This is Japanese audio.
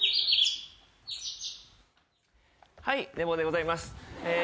はい寝坊でございます。